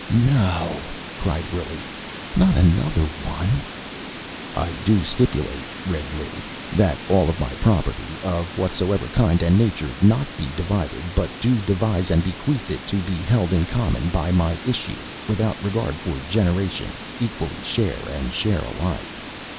'" "No!" cried Willy. "Not another one!" "'I do stipulate,'" read Lou, "'that all of my property, of whatsoever kind and nature, not be divided, but do devise and bequeath it to be held in common by my issue, without regard for generation, equally, share and share alike.'"